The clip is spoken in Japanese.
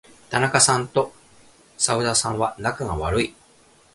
田中さんと左右田さんは仲が悪い。